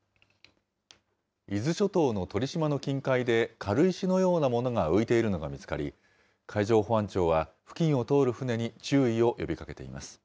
伊豆諸島の鳥島の近海で、軽石のようなものが浮いているのが見つかり、海上保安庁は、付近を通る船に注意を呼びかけています。